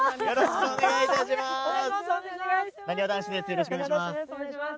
よろしくお願いします。